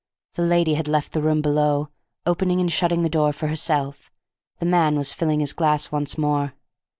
The lady had left the room below, opening and shutting the door for herself; the man was filling his glass once more.